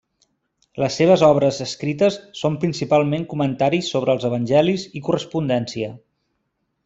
Les seves obres escrites són principalment comentaris sobre els evangelis i correspondència.